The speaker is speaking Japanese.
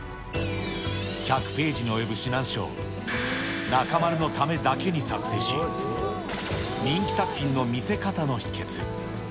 １００ページに及ぶ指南書を中丸のためだけに作成し、人気作品の見せ方の秘けつ。